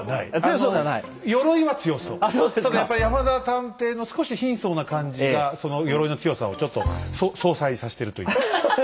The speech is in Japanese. ただやっぱり山田探偵の少し貧相な感じがその鎧の強さをちょっと相殺させてるという。